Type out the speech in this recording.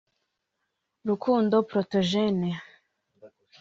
Rukundo Protegene